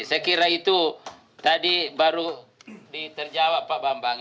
saya kira itu tadi baru diterjawab pak bambang